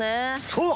そう！